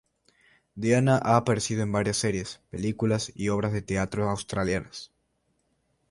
Diana ha aparecido en varias series, películas y obras de teatro australianas.